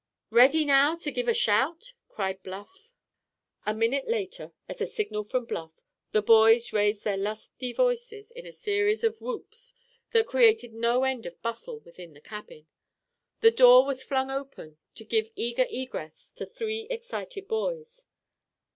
"Ready now, to give a shout!" cried Bluff. A minute later, at a signal from Bluff, the boys raised their lusty voices in a series of whoops that created no end of bustle within the cabin. The door was flung wide open to give egress to three excited boys.